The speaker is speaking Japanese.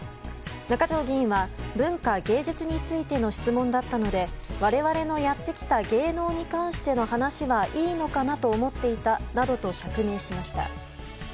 中条議員は、文化芸術についての質問だったので我々のやってきた芸能に関しての話はいいのかなと思っていたなどと釈明しました。